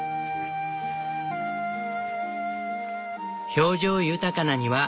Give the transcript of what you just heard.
表情豊かな庭。